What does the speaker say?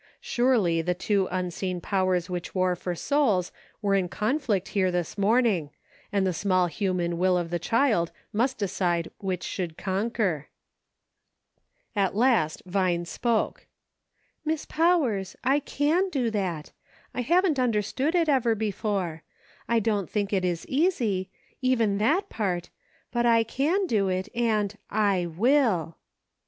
Surely, the two unseen powers which war for souls were in conflict here this morning, and the small human will of the child must decide which should conquer. At last Vine spoke :" Miss Powers, I can do that ; I haven't under stood it ever before ; I don't think it is easy ; even that part, but I can do it, and I WILL."